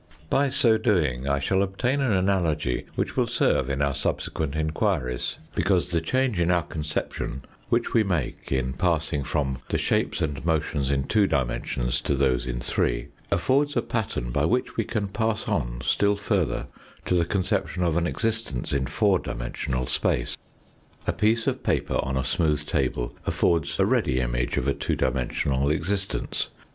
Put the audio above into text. By so doing I shall obtain an analogy which will serve in our subsequent enquiries, because the change in our conception, which we make in passing from the shapes and motions in two dimensions to those in three, affords a pattern by which we can pass on still further to the conception of an existence in four dimensional space. A piece of paper on a smooth table affords a ready image of a two dimensional existence.